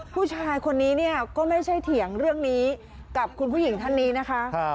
ผู้ชายคนนี้เนี่ยก็ไม่ใช่เถียงเรื่องนี้กับคุณผู้หญิงท่านนี้นะคะ